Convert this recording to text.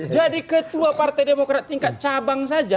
jadi ketua partai demokrat tingkat cabang saja